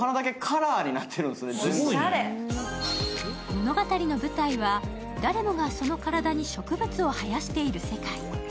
物語の舞台は、誰もがその体に植物を生やしている世界。